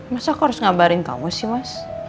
masa aku harus ngabarin kamu sih mas